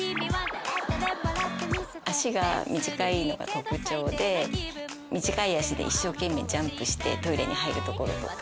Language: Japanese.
特徴で短い脚で一生懸命ジャンプしてトイレに入るところとか。